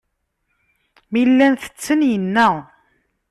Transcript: Mi llan tetten, inna.